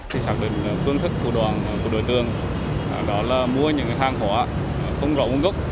thì xác định phương thức của đoàn của đối tượng đó là mua những hàng hóa không rộng ngốc